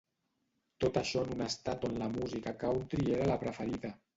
Tot això en un Estat on la música country era la preferida.